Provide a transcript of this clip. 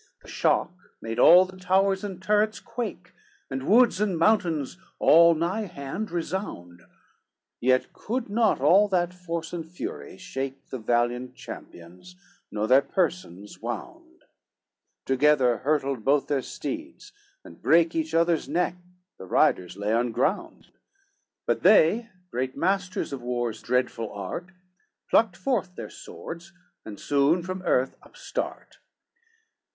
XLI The shock made all the towers and turrets quake, And woods and mountains all nigh hand resound; Yet could not all that force and fury shake The valiant champions, nor their persons wound; Together hurtled both their steeds, and brake Each other's neck, the riders lay on ground: But they, great masters of war's dreadful art, Plucked forth their swords and soon from earth up start.